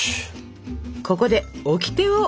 ここでオキテをお願い！